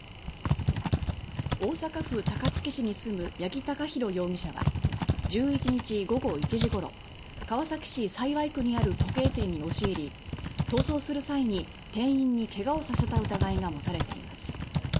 大阪府高槻市に住む八木貴寛容疑者は１１日午後１時ごろ川崎市幸区にある時計店に押し入り逃走する際に店員にけがをさせた疑いがもたれています。